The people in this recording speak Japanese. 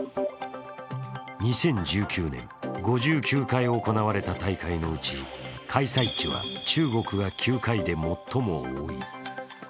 ２０１９年５９回行われた大会のうち、開催地は中国が９回で最も多い。